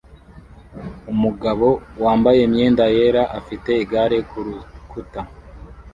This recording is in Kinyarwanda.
Umugabo wambaye imyenda yera afite igare kurukuta